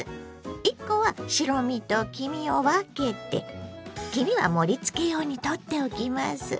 １コは白身と黄身を分けて黄身は盛りつけ用にとっておきます。